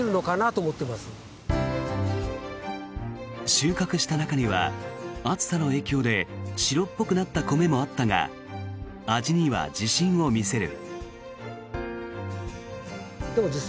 収穫した中には、暑さの影響で白っぽくなった米もあったが味には自信を見せる。